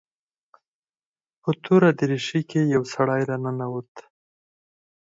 په توره دريشي کښې يو سړى راننوت.